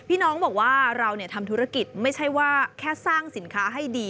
น้องบอกว่าเราทำธุรกิจไม่ใช่ว่าแค่สร้างสินค้าให้ดี